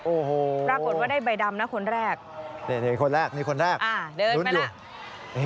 โอ้โหปรากฏว่าได้ใบดำนะคนแรกนี่คนแรกนี่คนแรกอ่าเดินลุ้นอยู่